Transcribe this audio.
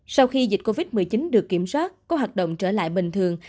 sau khi dịch covid một mươi chín được kiểm soát có hoạt động trở lại bình thường